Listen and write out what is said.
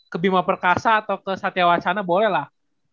ke bima perkasa atau ke satya wacana boleh lah